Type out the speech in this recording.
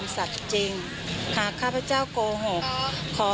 สาโชค